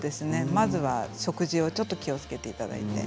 まずは食事をちょっと気をつけていただいて。